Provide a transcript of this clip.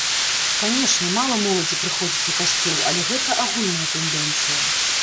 Канешне, мала моладзі прыходзіць у касцёл, але гэта агульная тэндэнцыя.